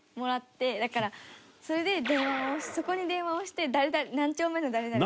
だから、それで電話をそこに電話をして何丁目の誰々さん。